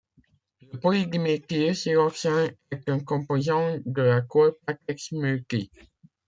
Le polydiméthylsiloxane est un composant de la colle Pattex multi.